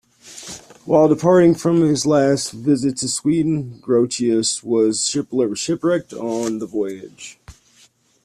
While departing from his last visit to Sweden, Grotius was shipwrecked on the voyage.